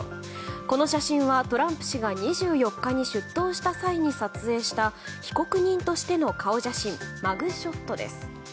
この写真は、トランプ氏が２４日に出頭した際に撮影した被告人としての顔写真マグショットです。